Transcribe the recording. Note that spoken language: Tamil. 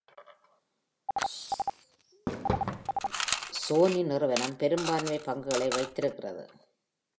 சோனி நிறுவனம் பெரும்பான்மை பங்குகளை வைத்திருக்கிறது.